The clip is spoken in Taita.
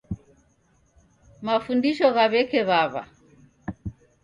Mafundisho gha w'eke w'aw'a